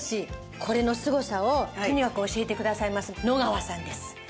これのすごさをとにかく教えてくださいます野川さんです。